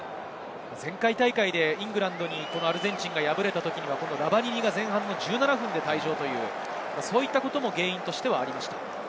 前回大会でイングランドにアルゼンチンが敗れたときにはラバニニが前半１７分で退場ということも原因としてありました。